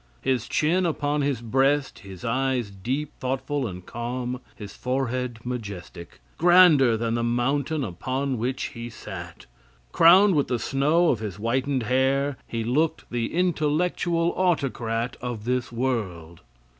His chin upon his breast, his eyes deep, thoughtful and calm, his forehead majestic grander than the mountain upon which he sat. "Crowned with the snow of his whitened hair," he looked the intellectual autocrat of this world.